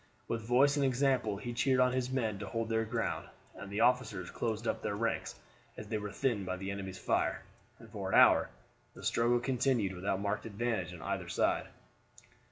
With voice and example he cheered on his men to hold their ground, and the officers closed up their ranks as they were thinned by the enemy's fire, and for an hour the struggle continued without marked advantage on either side.